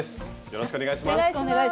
よろしくお願いします。